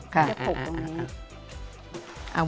เขาจะปลูกตรงนี้